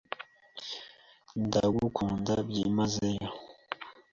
Ndagukunda byimazeyo.